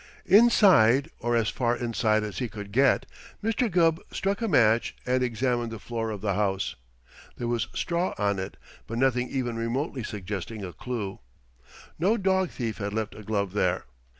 Inside, or as far inside as he could get, Mr. Gubb struck a match and examined the floor of the house. There was straw on it, but nothing even remotely suggesting a clue. No dog thief had left a glove there.